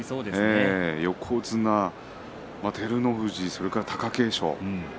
横綱照ノ富士、それから貴景勝。